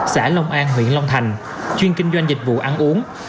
xã long an huyện long thành chuyên kinh doanh dịch vụ ăn uống